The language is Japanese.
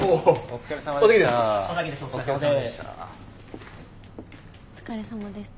お疲れさまです。